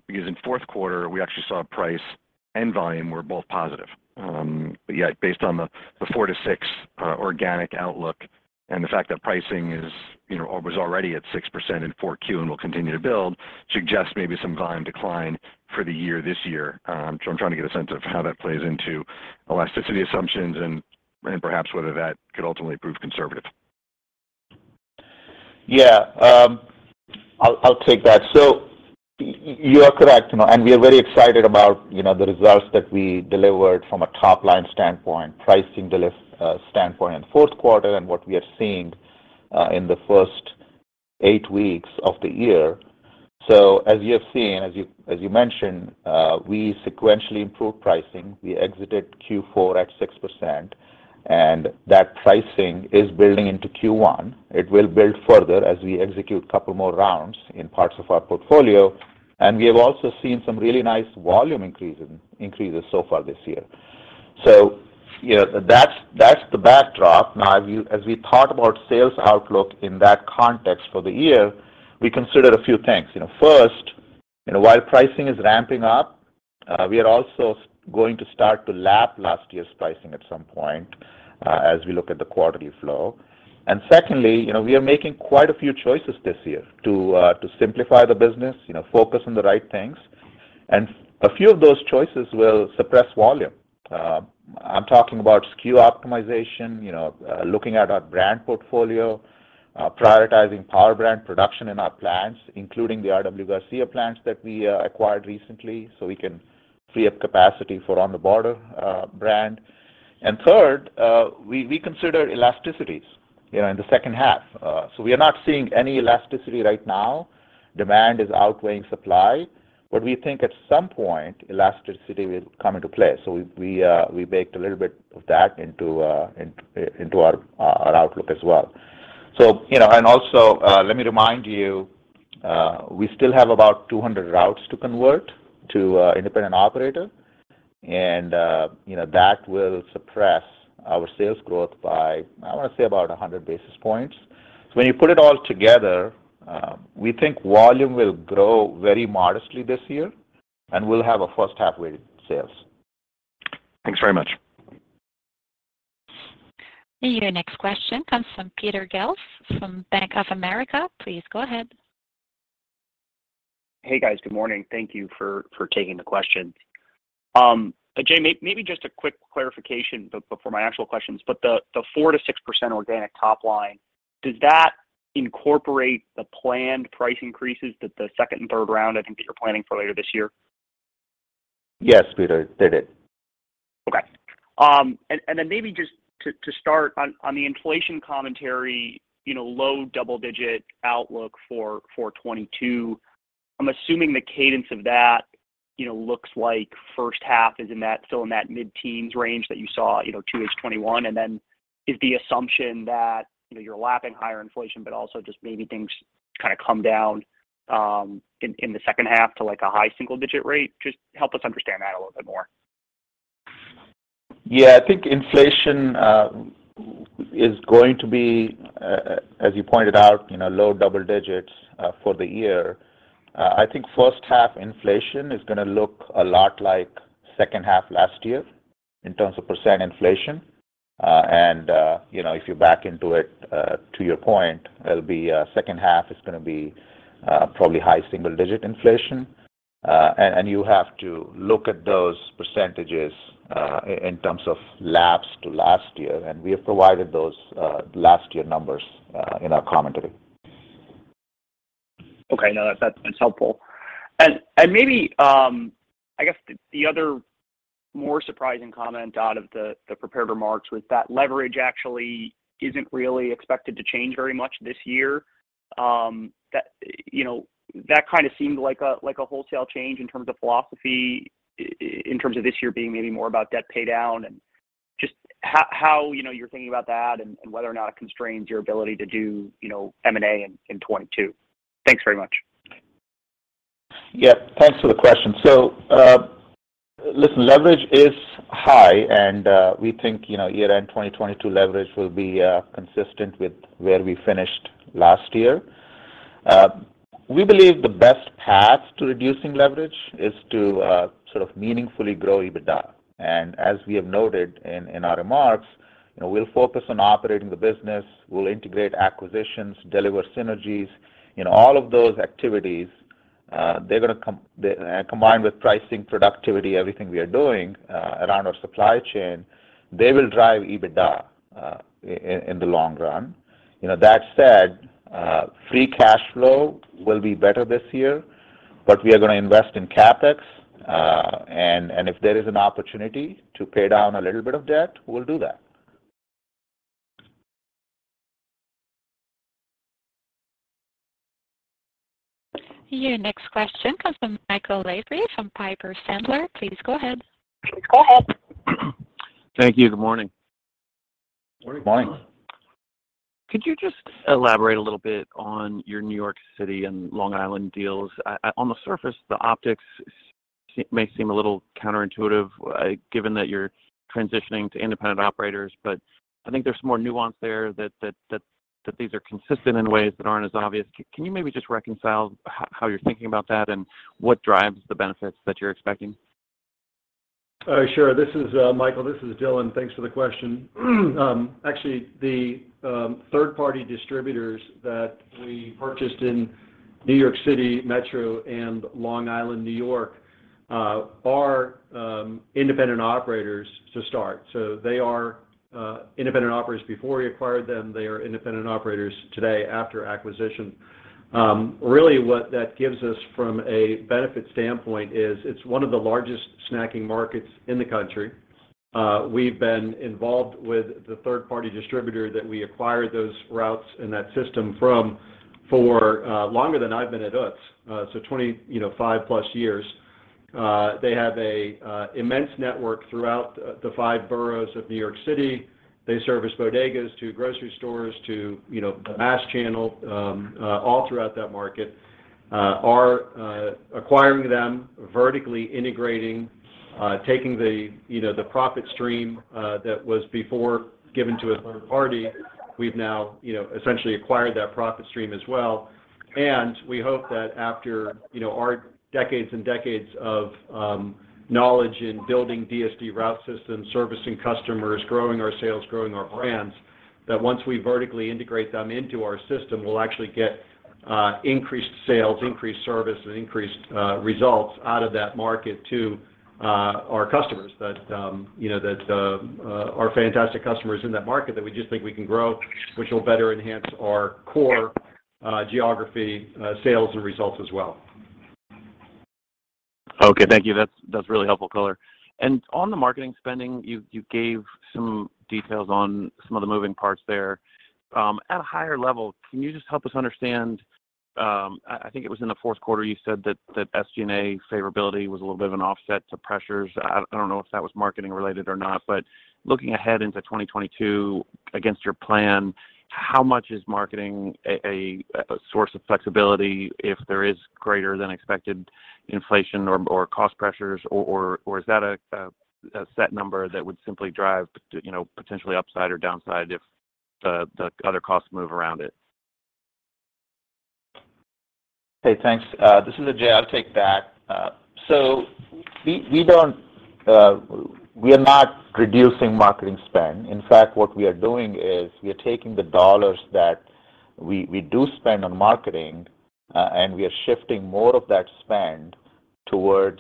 Because in Q4 we actually saw price and volume were both positive. Yet based on the 4%-6% organic outlook and the fact that pricing is or was already at 6% in Q4 and will continue to build, suggests maybe some volume decline for the year this year. I'm trying to get a sense of how that plays into elasticity assumptions and perhaps whether that could ultimately prove conservative. I'll take that. You are correct. We are very excited about the results that we delivered from a top-line standpoint, pricing delift standpoint in the Q4 and what we are seeing in the first 8 weeks of the year. As you have seen, as you mentioned, we sequentially improved pricing. We exited Q4 at 6%, and that pricing is building into Q1. It will build further as we execute couple more rounds in parts of our portfolio. We have also seen some really nice volume increases so far this year. that's the backdrop. Now, as we talk about sales outlook in that context for the year, we consider a few things. first while pricing is ramping up, we are also going to start to lap last year's pricing at some point, as we look at the quarterly flow. Secondly we are making quite a few choices this year to to simplify the business focus on the right things. A few of those choices will suppress volume. I'm talking about SKU optimization looking at our brand portfolio, prioritizing Power Brand production in our plants, including the RW Garcia plants that we acquired recently so we can free up capacity for On The Border brand. Third, we consider elasticities in the H2. We are not seeing any elasticity right now. Demand is outweighing supply, but we think at some point elasticity will come into play. We baked a little bit of that into our outlook as well. let me remind you, we still have about 200 routes to convert to independent operator. That will suppress our sales growth by, I wanna say, about 100 basis points. When you put it all together, we think volume will grow very modestly this year, and we'll have a H1 weighted sales. Thanks very much. Your next question comes from Peter Galbo from Bank of America. Please go ahead. Hey, guys. Good morning. Thank you for taking the questions. Ajay, maybe just a quick clarification before my actual questions, but the 4%-6% organic top line, does that incorporate the planned price increases that the second and third round I think that you're planning for later this year? Yes, Peter, they did. Okay. Maybe just to start on the inflation commentary low double-digit outlook for 2022, I'm assuming the cadence of that looks like H1 is still in that mid-teens range that you saw Q2 2021. Is the assumption that you're lapping higher inflation but also just maybe things kinda come down in the H2 to like a high single digit rate? Just help us understand that a little bit more. Yeah. I think inflation is going to be, as you pointed out low double digits for the year. I think H1 inflation is gonna look a lot like H2 last year in terms of % inflation. if you back into it, to your point, it'll be, H2 is gonna be, probably high single digit inflation. You have to look at those percentages in terms of lapped to last year, and we have provided those last year numbers in our commentary. Okay. No, that's helpful. Maybe I guess the other more surprising comment out of the prepared remarks was that leverage actually isn't really expected to change very much this year. That kind of seemed like a wholesale change in terms of philosophy in terms of this year being maybe more about debt pay down and just how you're thinking about that and whether or not it constrains your ability to do M&A in 2022. Thanks very much. Yeah. Thanks for the question. Listen, leverage is high, and we think year-end 2022 leverage will be consistent with where we finished last year. We believe the best path to reducing leverage is to sort of meaningfully grow EBITDA. As we have noted in our remarks, we'll focus on operating the business. We'll integrate acquisitions, deliver synergies. In all of those activities, they're gonna combined with pricing, productivity, everything we are doing around our supply chain, they will drive EBITDA in the long run. that said, free cash flow will be better this year, but we are gonna invest in CapEx. If there is an opportunity to pay down a little bit of debt, we'll do that. Your next question comes from Michael Lavery from Piper Sandler. Please go ahead. Thank you. Good morning. Morning. Morning. Could you just elaborate a little bit on your New York City and Long Island deals? On the surface, the optics may seem a little counterintuitive, given that you're transitioning to independent operators. I think there's more nuance there that these are consistent in ways that aren't as obvious. Can you maybe just reconcile how you're thinking about that and what drives the benefits that you're expecting? Sure. This is Michael, this is Dylan. Thanks for the question. Actually, the third-party distributors that we purchased in New York City Metro and Long Island, New York, are independent operators to start. They are independent operators before we acquired them. They are independent operators today after acquisition. Really what that gives us from a benefit standpoint is it's one of the largest snacking markets in the country. We've been involved with the third party distributor that we acquired those routes and that system from for longer than I've been at Utz, so 20 five+ years. They have a immense network throughout the five boroughs of New York City. They service bodegas to grocery stores to the mass channel all throughout that market. Our acquiring them, vertically integrating, taking the the profit stream that was before given to a third party, we've now essentially acquired that profit stream as well. We hope that after our decades and decades of knowledge in building DSD route systems, servicing customers, growing our sales, growing our brands, that once we vertically integrate them into our system, we'll actually get increased sales, increased service, and increased results out of that market to our customers that are fantastic customers in that market that we just think we can grow, which will better enhance our core geography sales and results as well. Okay. Thank you. That's really helpful color. On the marketing spending, you gave some details on some of the moving parts there. At a higher level, can you just help us understand, I think it was in the Q4 you said that SG&A favorability was a little bit of an offset to pressures. I don't know if that was marketing related or not. Looking ahead into 2022 against your plan, how much is marketing a source of flexibility if there is greater than expected inflation or cost pressures or is that a set number that would simply drive potentially upside or downside if the other costs move around it? Hey, thanks. This is Ajay. I'll take that. So we are not reducing marketing spend. In fact, what we are doing is we are taking the dollars that we do spend on marketing, and we are shifting more of that spend towards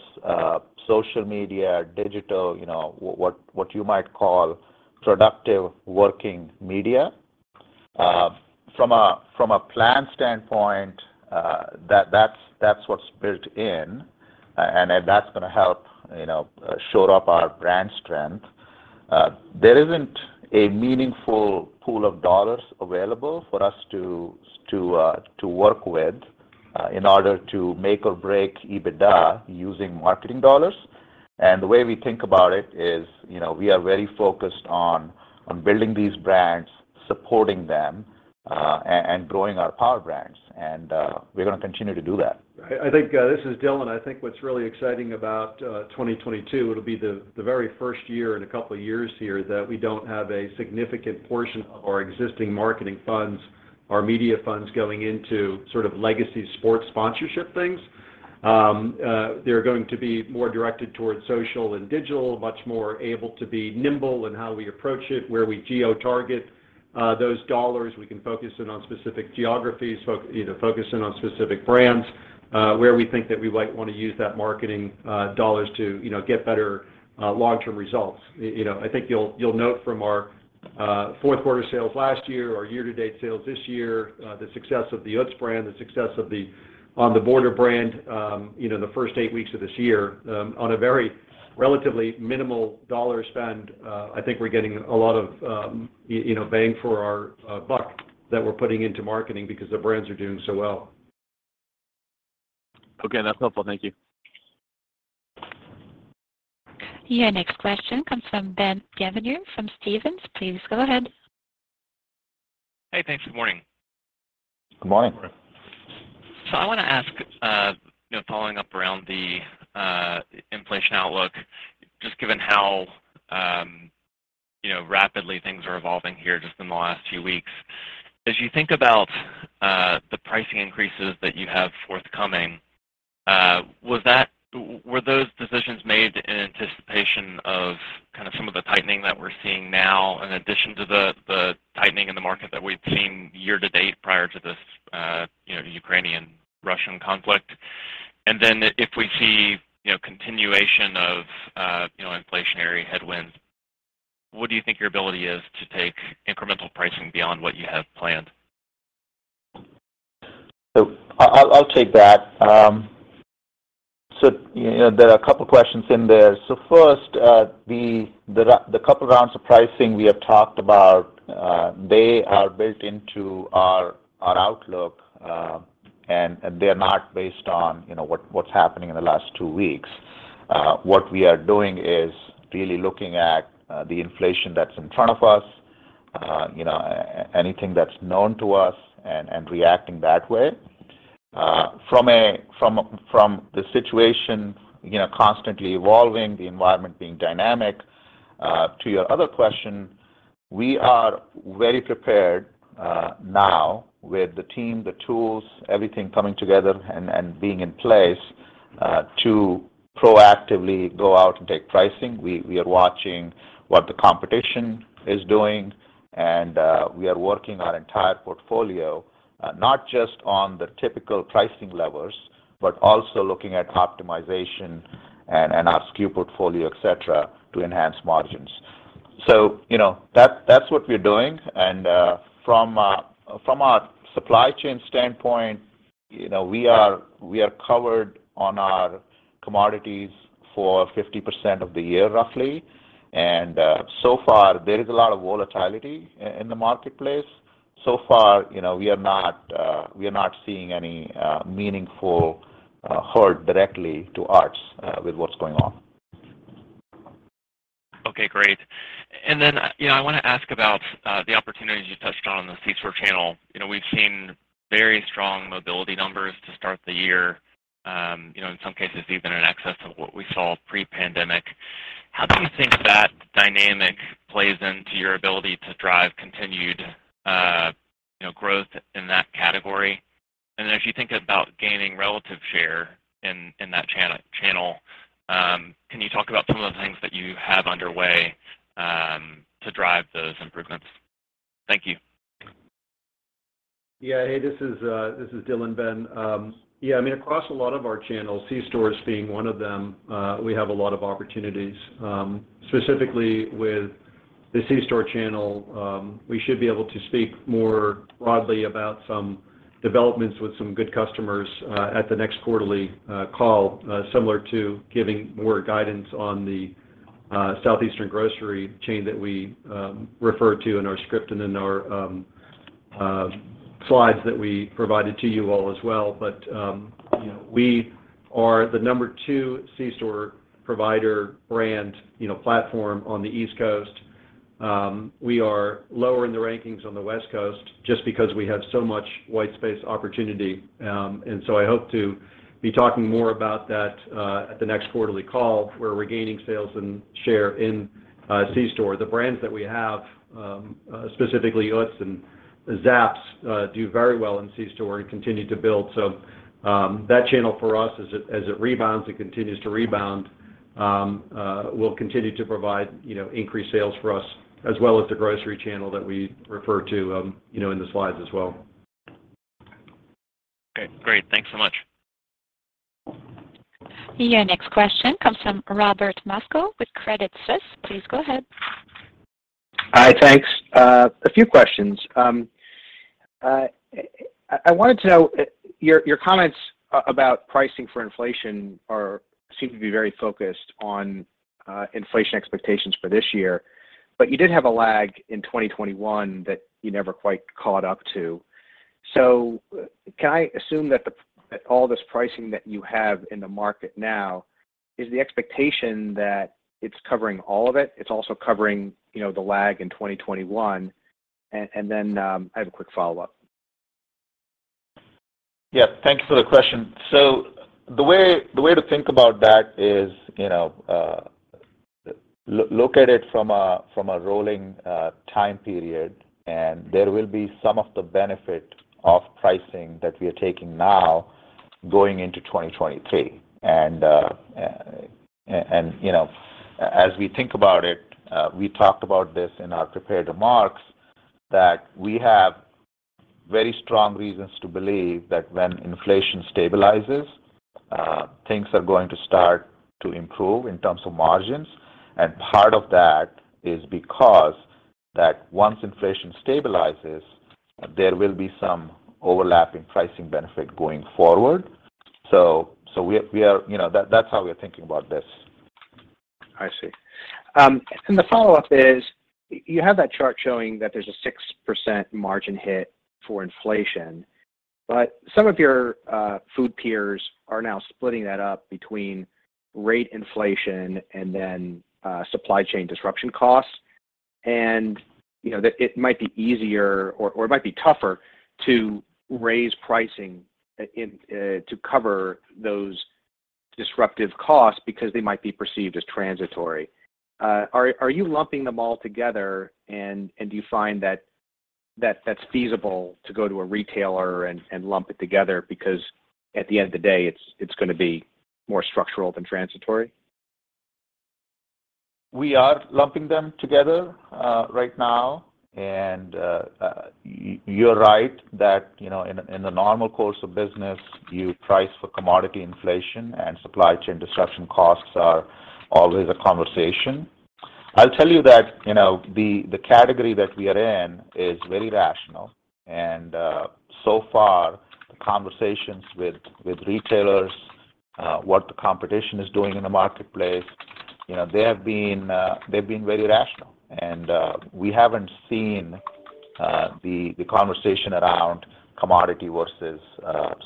social media, digital what you might call productive working media. From a plan standpoint, that's what's built in, and that's gonna help shore up our brand strength. There isn't a meaningful pool of dollars available for us to work with in order to make or break EBITDA using marketing dollars. The way we think about it is we are very focused on building these brands, supporting them, and growing our Power Brands. We're gonna continue to do that. I think this is Dylan. I think what's really exciting about 2022, it'll be the very first year in a couple of years here that we don't have a significant portion of our existing marketing funds, our media funds going into sort of legacy sports sponsorship things. They're going to be more directed towards social and digital, much more able to be nimble in how we approach it, where we geo-target those dollars. We can focus in on specific geographies, focus in on specific brands. Where we think that we might wanna use that marketing dollars to get better long-term results. I think you'll note from our Q4 sales last year, our year-to-date sales this year, the success of the Utz brand, the success of the On The Border brand the first eight weeks of this year, on a very relatively minimal dollar spend, I think we're getting a lot of bang for our buck that we're putting into marketing because the brands are doing so well. Okay. That's helpful. Thank you. Your next question comes from Ben Gevenhert from Stephens. Please go ahead. Hey, thanks. Good morning. Good morning. Good morning. I wanna ask following up around the inflation outlook, just given how rapidly things are evolving here just in the last few weeks. As you think about the pricing increases that you have forthcoming, were those decisions made in anticipation of kind of some of the tightening that we're seeing now in addition to the tightening in the market that we've seen year-to-date prior to this Russia-Ukraine conflict? If we see continuation of inflationary headwinds, what do you think your ability is to take incremental pricing beyond what you have planned? I'll take that. There are a couple questions in there. First, the couple rounds of pricing we have talked about, they are built into our outlook, and they're not based on what's happening in the last two weeks. What we are doing is really looking at the inflation that's in front of us anything that's known to us and reacting that way. From the situation constantly evolving, the environment being dynamic, to your other question, we are very prepared now with the team, the tools, everything coming together and being in place to proactively go out and take pricing. We are watching what the competition is doing and we are working our entire portfolio not just on the typical pricing levels, but also looking at optimization and our SKU portfolio, et cetera, to enhance margins. That's what we're doing. From our supply chain standpoint, we are covered on our commodities for 50% of the year roughly. So far there is a lot of volatility in the marketplace. So far, we are not seeing any meaningful hurt directly to us with what's going on. Okay, great. I wanna ask about the opportunities you touched on in the C-store channel. We've seen very strong mobility numbers to start the year in some cases even in excess of what we saw pre-pandemic. How do you think that dynamic plays into your ability to drive continued growth in that category? As you think about gaining relative share in that channel, can you talk about some of the things that you have underway to drive those improvements? Thank you. This is Dylan, Ben. I mean, across a lot of our channels, C-stores being one of them, we have a lot of opportunities. Specifically with the C-store channel, we should be able to speak more broadly about some developments with some good customers at the next quarterly call, similar to giving more guidance on the Southeastern grocery chain that we refer to in our script and in our slides that we provided to you all as well. We are the number 2 C-store provider brand platform on the East Coast. We are lower in the rankings on the West Coast just because we have so much white space opportunity. I hope to be talking more about that at the next quarterly call, where we're gaining sales and share in C-store. The brands that we have, specifically Utz and Zapp's, do very well in C-store and continue to build. That channel for us as it rebounds and continues to rebound will continue to provide increased sales for us as well as the grocery channel that we refer to in the slides as well. Okay, great. Thanks so much. Your next question comes from Robert Moskow with Credit Suisse. Please go ahead. Hi. Thanks. A few questions. I wanted to know your comments about pricing for inflation seem to be very focused on inflation expectations for this year. You did have a lag in 2021 that you never quite caught up to. Can I assume that all this pricing that you have in the market now is the expectation that it's covering all of it? It's also covering the lag in 2021. And then I have a quick follow-up. Yeah. Thank you for the question. The way to think about that is look at it from a rolling time period, and there will be some of the benefit of pricing that we are taking now going into 2023. as we think about it, we talked about this in our prepared remarks that we have very strong reasons to believe that when inflation stabilizes, things are going to start to improve in terms of margins. Part of that is because that once inflation stabilizes, there will be some overlap in pricing benefit going forward. that's how we're thinking about this. I see. The follow-up is, you have that chart showing that there's a 6% margin hit for inflation, but some of your food peers are now splitting that up between rate inflation and then supply chain disruption costs. It might be easier or it might be tougher to raise pricing in to cover those disruptive costs because they might be perceived as transitory. Are you lumping them all together and do you find that that's feasible to go to a retailer and lump it together because at the end of the day, it's gonna be more structural than transitory? We are lumping them together right now. You're right that in a normal course of business, you price for commodity inflation and supply chain disruption. Costs are always a conversation. I'll tell you that the category that we are in is very rational. So far, the conversations with retailers, what the competition is doing in the marketplace they've been very rational. We haven't seen the conversation around commodity versus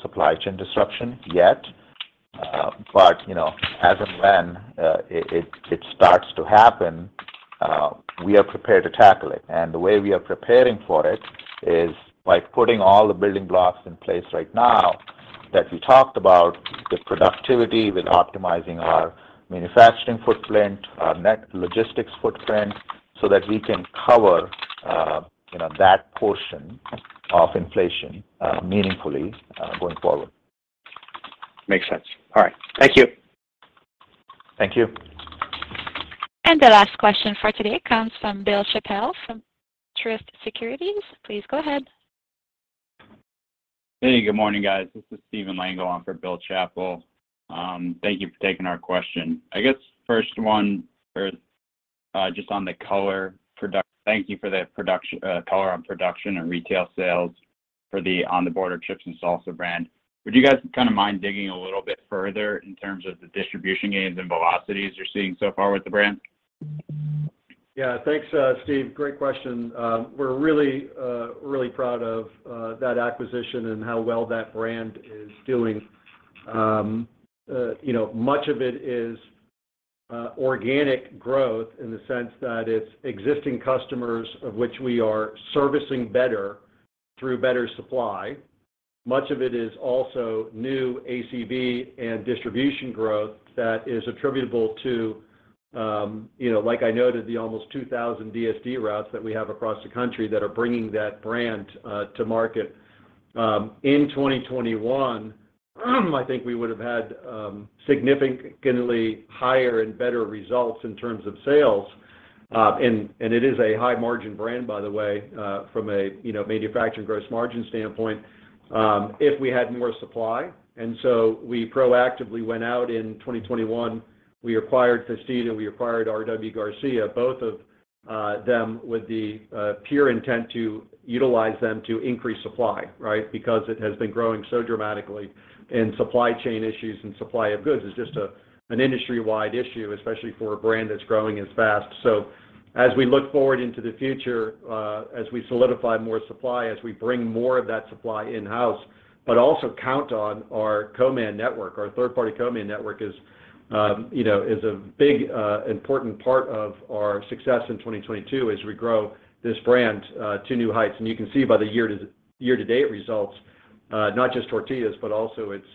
supply chain disruption yet. As and when it starts to happen, we are prepared to tackle it. The way we are preparing for it is by putting all the building blocks in place right now that we talked about with productivity, with optimizing our manufacturing footprint, our network logistics footprint, so that we can cover that portion of inflation, meaningfully, going forward. Makes sense. All right. Thank you. Thank you. The last question for today comes from Bill Chappell from Truist Securities. Please go ahead. Hey, good morning, guys. This is Steven Lango on for Bill Chappell. Thank you for taking our question. Thank you for the color on production and retail sales for the On The Border chips and salsa brand. Would you guys kind of mind digging a little bit further in terms of the distribution gains and velocities you're seeing so far with the brand? Yeah. Thanks, Steve. Great question. We're really proud of that acquisition and how well that brand is doing. Much of it is organic growth in the sense that it's existing customers of which we are servicing better through better supply. Much of it is also new ACV and distribution growth that is attributable to like I noted, the almost 2,000 DSD routes that we have across the country that are bringing that brand to market. In 2021, I think we would have had significantly higher and better results in terms of sales, and it is a high margin brand, by the way, from a manufacturing gross margin standpoint, if we had more supply. So we proactively went out in 2021. We acquired Festida, we acquired RW Garcia, both of them with the pure intent to utilize them to increase supply, right? Because it has been growing so dramatically and supply chain issues and supply of goods is just an industry-wide issue, especially for a brand that's growing as fast. As we look forward into the future, as we solidify more supply, as we bring more of that supply in-house, but also count on our co-man network. Our third-party co-man network is a big important part of our success in 2022 as we grow this brand to new heights. You can see by the year-to-date results, not just tortillas, but also its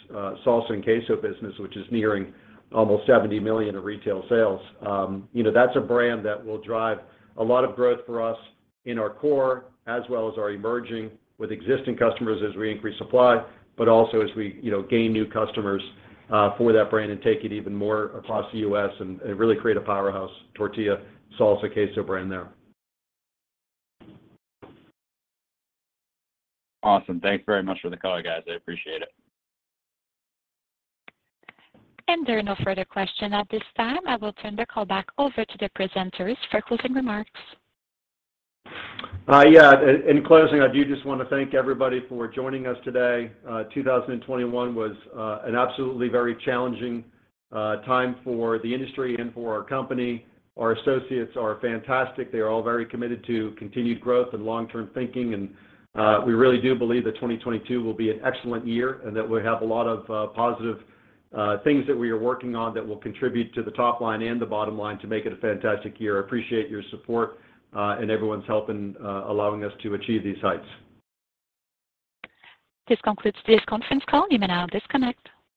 salsa and queso business, which is nearing almost $70 million in retail sales. That's a brand that will drive a lot of growth for us in our core as well as our emerging with existing customers as we increase supply, but also as we gain new customers for that brand and take it even more across the U.S. and really create a powerhouse tortilla, salsa, queso brand there. Awesome. Thanks very much for the color, guys. I appreciate it. There are no further questions at this time. I will turn the call back over to the presenters for closing remarks. In closing, I do just wanna thank everybody for joining us today. 2021 was an absolutely very challenging time for the industry and for our company. Our associates are fantastic. They are all very committed to continued growth and long-term thinking. We really do believe that 2022 will be an excellent year and that we have a lot of positive things that we are working on that will contribute to the top line and the bottom line to make it a fantastic year. I appreciate your support and everyone's help in allowing us to achieve these heights. This concludes today's conference call. You may now disconnect.